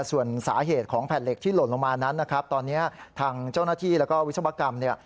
ส่วนสาเหตุของแผ่นเหล็กที่หล่นลงมานั้นนะครับตอนนี้ทางเจ้าหน้าที่แล้วก็วิศวกรรมเนี่ย